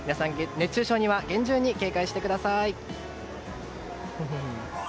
熱中症には厳重に警戒してください。